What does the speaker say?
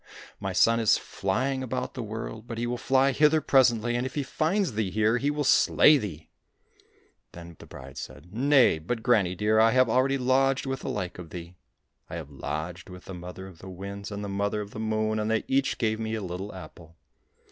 My son is flying about the world, but he will fly hither presently, and if he find thee here he will slay thee !"— Then the bride said, " Nay, but, granny dear, I have already lodged with the like of thee. I have lodged with the Mother of the Winds, and the Mother of the Moon, and they each gave me a little apple."